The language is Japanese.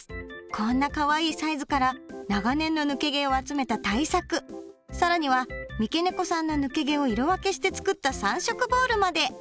こんなかわいいサイズから長年の抜け毛を集めた大作更には三毛猫さんの抜け毛を色分けして作った３色ボールまで！